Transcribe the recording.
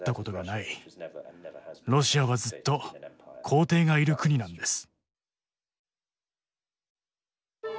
ロシアはずっと皇帝がいる国なんです。